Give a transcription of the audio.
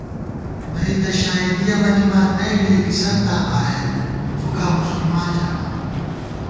نئ تہ شائیدِیَہ مَنِمان ،نئ بی لِکِسنتاں قایېل ، فُکاں مسلمان ژَمان